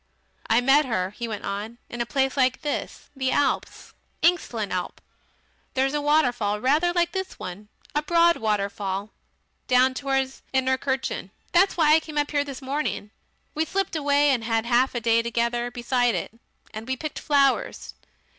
"I met her," he went on, "in a place like this in the Alps Engstlen Alp. There's a waterfall rather like this one a broad waterfall down towards Innertkirchen. That's why I came here this morning. We slipped away and had half a day together beside it. And we picked flowers.